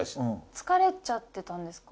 疲れちゃってたんですか？